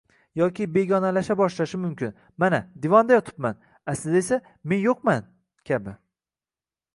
Yoki begonalasha boshlashi mumkin: mana divanda yotibman, aslida esa men yo‘qman, kabi.